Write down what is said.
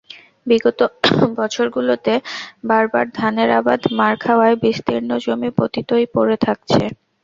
বিগত বছরগুলোতে বারবার ধানের আবাদ মার খাওয়ায় বিস্তীর্ণ জমি পতিতই পড়ে থাকছে।